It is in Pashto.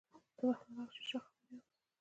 د بهلول او شیرشاه خبرې اورم.